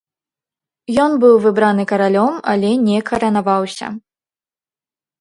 Ён быў выбраны каралём, але не каранаваўся.